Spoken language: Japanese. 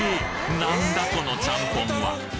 何だこのちゃんぽんは！？